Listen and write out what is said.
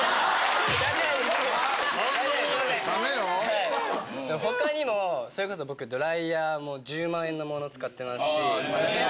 ・・ダメよ・他にもそれこそ僕ドライヤーも１０万円のもの使ってますし。